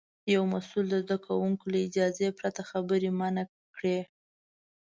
یو مسوول د زده کوونکي له اجازې پرته خبرې منع کړې.